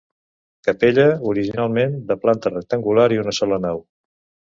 Capella originalment de planta rectangular i una sola nau.